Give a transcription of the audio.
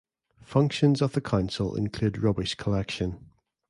Functions of the council include rubbish collection.